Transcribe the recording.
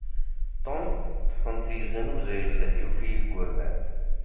Tom ṭṭfen-t yeznuzay lehyuf i igerdan.